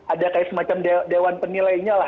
ada kayak semacam dewan penilainya lah